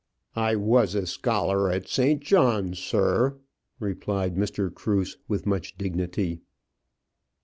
"I was a scholar at St. John's, sir," replied Mr. Cruse, with much dignity.